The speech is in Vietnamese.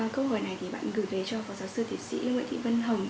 câu hỏi này thì bạn gửi về cho phó giáo sư tiến sĩ nguyễn thị vân hồng